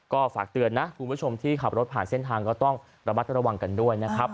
ก็ฝากเตือนนะคุณผู้ชมที่ขับรถผ่านเส้นทางก็ต้องระมัดระวังกันด้วยนะครับ